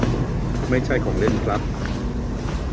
ไม่ใช่ของเล่นครับ